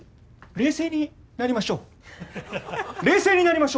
冷静になりましょう！